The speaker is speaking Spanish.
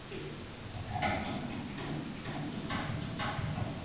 Fue reducido a cenizas.